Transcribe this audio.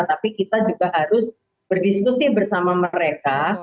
tapi kita juga harus berdiskusi bersama mereka